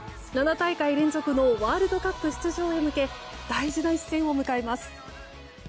７大会連続のワールドカップ出場へ向け大事な一戦を迎えます。